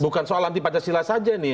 bukan soal anti pancasila saja nih